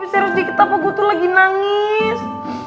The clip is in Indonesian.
lo serius dikit apa gue tuh lagi nangis